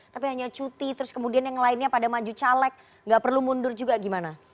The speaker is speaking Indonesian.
tapi hanya cuti terus kemudian yang lainnya pada maju caleg nggak perlu mundur juga gimana